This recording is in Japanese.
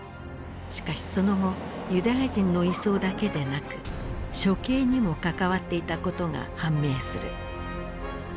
しかしその後ユダヤ人の移送だけでなく処刑にも関わっていたことが判明する。